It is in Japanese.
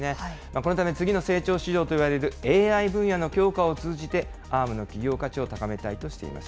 このため次の成長市場といわれるＡＩ分野の強化を通じて、Ａｒｍの企業価値を高めたいとしています。